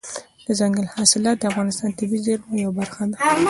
دځنګل حاصلات د افغانستان د طبیعي زیرمو یوه برخه ده.